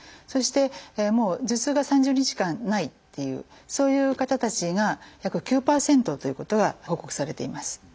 そして頭痛が３０日間ないっていうそういう方たちが約９％ということが報告されています。